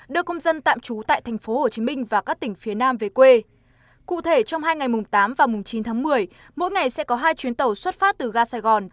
đưa công dân tạm trú tại tp hcm và các tỉnh phía nam về quê cụ thể trong hai ngày mùng tám và mùng chín tháng một mươi mỗi ngày sẽ có hai chuyến tàu xuất phát từ ga sài gòn